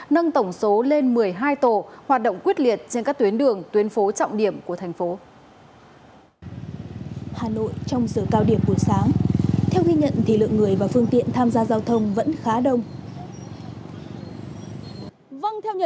nâng tổng số lên một mươi hai tổ hoạt động quyết liệt trên các tuyến đường tuyến phố trọng điểm của thành phố đông